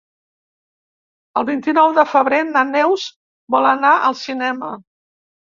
El vint-i-nou de febrer na Neus vol anar al cinema.